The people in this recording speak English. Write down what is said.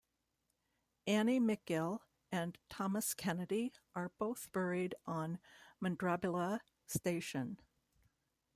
Annie McGill and Thomas Kennedy are both buried on Mundrabilla Station.